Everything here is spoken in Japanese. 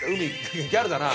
ギャルだな！